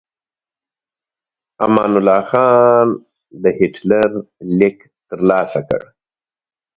امان الله خان د هیټلر لیک ترلاسه کړ.